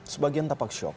sebagian tapak syok